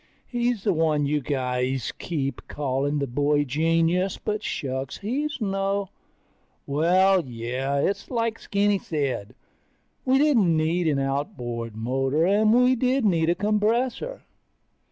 He's the one you guys keep calling the boy genius, but shucks, he's no ... Well, yeah, it's like Skinny said, we didn't need an outboard motor, and we did need a compressor.